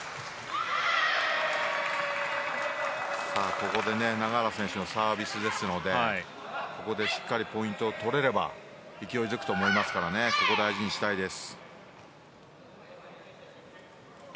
ここで永原選手のサービスですのでここでしっかりポイントを取れれば勢いづくと思いますからここを大事にしたいです。